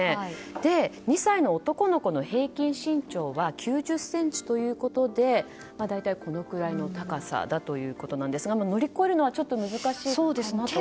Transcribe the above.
２歳の男の子の平均身長は９０ｃｍということで大体、このくらいの高さだということですが乗り越えるのはちょっと難しいかなと。